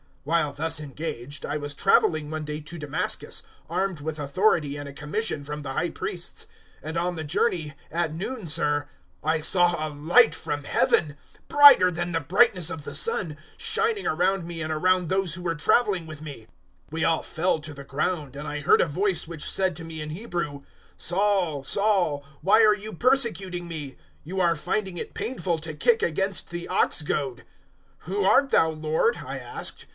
026:012 "While thus engaged, I was travelling one day to Damascus armed with authority and a commission from the High Priests, 026:013 and on the journey, at noon, Sir, I saw a light from Heaven brighter than the brightness of the sun shining around me and around those who were travelling with me. 026:014 We all fell to the ground; and I heard a voice which said to me in Hebrew, "`Saul, Saul, why are you persecuting Me? You are finding it painful to kick against the ox goad.' 026:015 "`Who art Thou, Lord?' I asked.